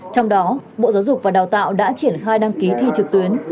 trong đó bộ giáo dục và đào tạo đã triển khai đăng ký thi trực tuyến